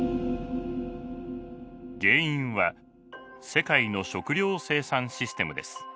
原因は世界の食料生産システムです。